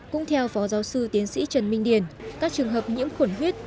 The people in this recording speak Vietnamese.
cũng theo phó giáo sư tiến sĩ trần minh điền các trường hợp nhiễm khuẩn huyết